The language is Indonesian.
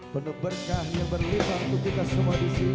penuh berkah yang berlipat untuk kita semua disini